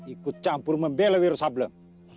ikut campur membela wirosablen